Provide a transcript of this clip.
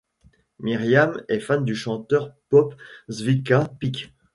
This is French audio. Miriam est fan du chanteur pop Svika Pick.